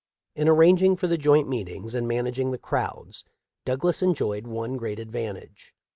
In arranging for the joint meetings and managing the crowds Douglas enjoyed one great advantage.